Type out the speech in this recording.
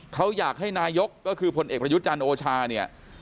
เขาอยากให้นายกก็คือผลเอกประยุทธ์จันทร์โอชาเนี่ย